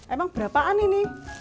emang berapaan ini